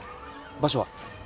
場所は？